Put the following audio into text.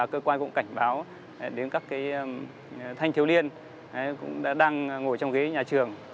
cơ quan cũng cảnh báo đến các thanh thiếu liên đang ngồi trong ghế nhà trường